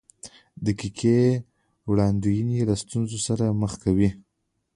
دقیقې وړاندوینې له ستونزو سره مخ کوي.